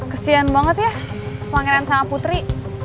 kesian banget ya pangeran sang putri